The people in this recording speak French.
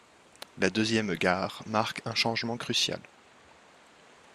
La deuxième gare marque un changement crucial.